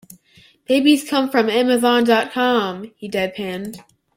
"Babies come from amazon.com," he deadpanned.